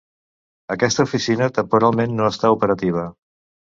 Aquesta oficina temporalment no està operativa.